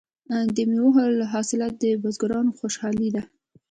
د میوو حاصلات د بزګرانو خوشحالي ده.